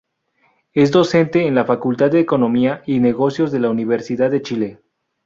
Es docente en la Facultad de Economía y Negocios de la Universidad de Chile.